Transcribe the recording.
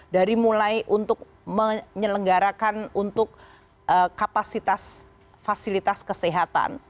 dari mulai untuk menyelenggarakan untuk kapasitas fasilitas kesehatan